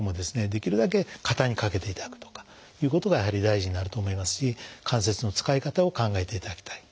できるだけ肩にかけていただくとかいうことがやはり大事になると思いますし関節の使い方を考えていただきたい。